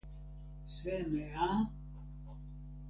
seme a?!